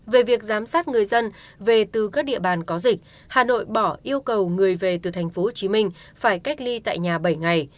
về việc giám sát người dân về từ các địa bàn có dịch hà nội bỏ yêu cầu người về từ tp hcm phải cách ly tại nhà bảy ngày